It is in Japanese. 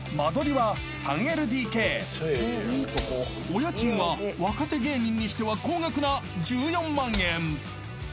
［お家賃は若手芸人にしては高額な］